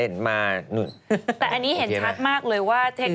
แต่อันนี้เห็นชัดมากเลยว่าเทค